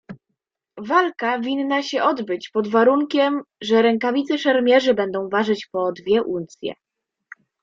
"Walka winna się odbyć pod warunkiem, że rękawice szermierzy ważą po dwie uncje."